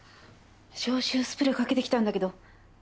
消臭スプレーかけてきたんだけど。